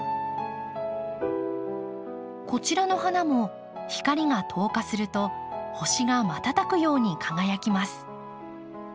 こちらの花も光が透過すると星が瞬くように輝きます。